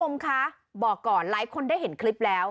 คุณผู้ชมคะบอกก่อนหลายคนได้เห็นคลิปแล้ว